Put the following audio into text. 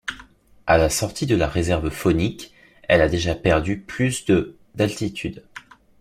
À la sortie de la réserve faunique, elle a déjà perdu plus de d'altitude.